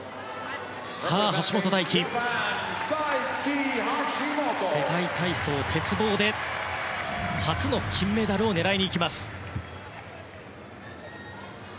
橋本大輝、世界体操鉄棒で初の金メダルを狙いにいきます。